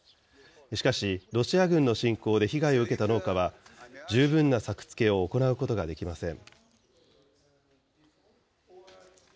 しかし、ロシア軍の侵攻で被害を受けた農家は十分な作付けを行うことができません。